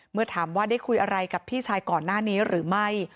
เมื่อถามว่าได้คุยอะไรกับพี่ชายก่อนหน้านี้หรือไม่